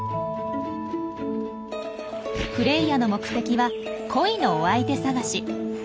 フレイヤの目的は恋のお相手探し。